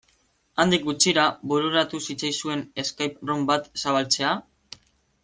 Handik gutxira bururatu zitzaizuen escape room bat zabaltzea?